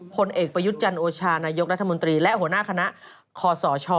ผลเอกประยุทธ์จันโอชานายกรัฐมนตรีและหัวหน้าคณะคอสช